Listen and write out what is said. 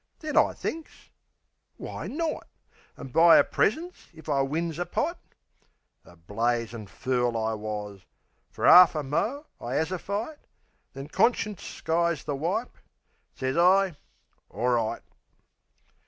Then I thinks, "Why not? An' buy 'er presents if I wins a pot? A blazin' fool I wus. Fer 'arf a mo' I 'as a fight; Then conscience skies the wipe...Sez I "Orright."